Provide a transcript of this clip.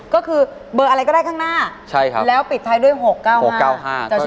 ก็คือเบอร์อะไรก็ได้ข้างหน้าแล้วปิดท้ายด้วย๖๙๕๙๕